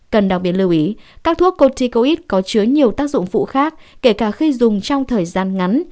cần đặc biệt lưu ý các thuốc corticoid có chứa nhiều tác dụng phụ khác kể cả khi dùng trong thời gian ngắn